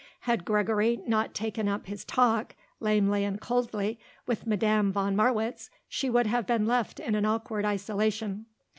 Had Gregory not taken up his talk, lamely and coldly, with Madame von Marwitz, she would have been left in an awkward isolation.